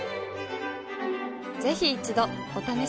ぜひ一度お試しを。